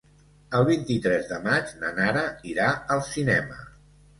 El vint-i-tres de maig na Nara irà al cinema.